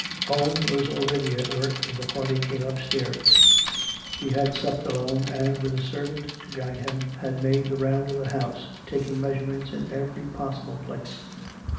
Owen was already at work when the party came upstairs. He had supped alone, and, with a servant to guide him, had made the round of the house, taking measurements in every possible place.